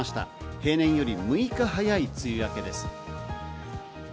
平年より６日早い梅雨明けです。